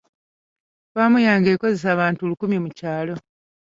Ffaamu yange ekozesa abantu lukumi mu kyalo.